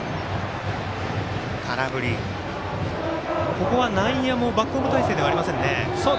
ここは内野もバックホーム態勢ではありませんね。